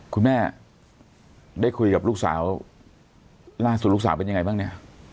คุณแม่ได้คุยกับลูกสาวล่าสุดลูกสาวเป็นยังไงบ้างเนี่ย